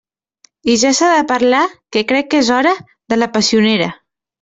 I ja s'ha de parlar —que crec que és hora— de la passionera.